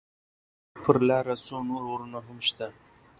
پر لاره څو نور غرونه هم شته.